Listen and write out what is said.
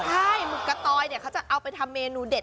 ใช่หมึกกะตอยเนี่ยเขาจะเอาไปทำเมนูเด็ด